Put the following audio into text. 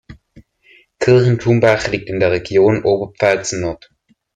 Kirchenthumbach liegt in der Region Oberpfalz-Nord.